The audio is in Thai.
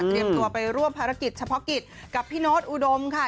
ตัวไปร่วมภารกิจเฉพาะกิจกับพี่โน๊ตอุดมค่ะ